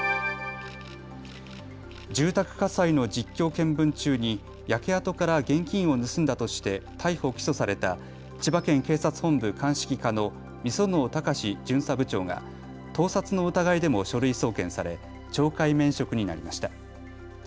住宅火災の実況見分中に焼け跡から現金を盗んだとして逮捕・起訴された千葉県警察本部鑑識課の御園生貴史巡査部長が盗撮の疑いでも書類送検され懲戒免職になりました。